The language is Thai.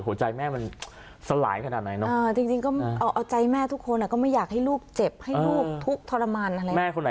หัวใจแม่มันสลายขนาดไหนเนอะ